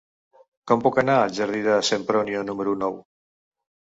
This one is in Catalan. Com puc anar al jardí de Sempronio número nou?